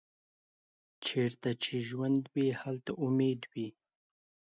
چیرته چې ژوند وي، هلته امید وي.